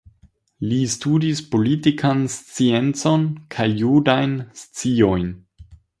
Li studis politikan sciencon kaj judajn sciojn.